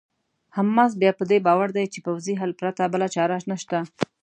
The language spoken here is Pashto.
حماس بیا په دې باور دی چې پوځي حل پرته بله چاره نشته.